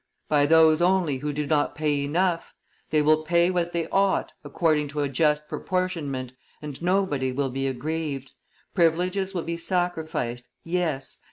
... By those only who do not pay enough; they will pay what they ought, according to a just proportionment, and nobody will be aggrieved. Privileges will be sacrificed! Yes!